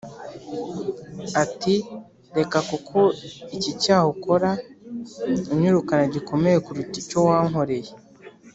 ati “Reka kuko iki cyaha ukora unyirukana gikomeye kuruta icyo wankoreye.”